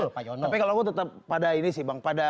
tapi kalau gue tetap pada ini sih bang